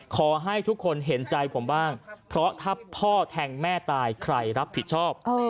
ขอให้ทุกคนเห็นใจผมบ้างเพราะถ้าพ่อแทงแม่ตายใครรับผิดชอบ